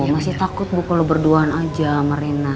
masih takut bu kalo berduaan aja sama rena